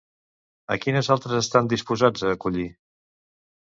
A quines altres estan disposats a acollir?